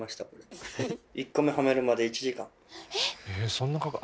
そんなかかる？